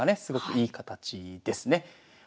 すごくいい形ですね。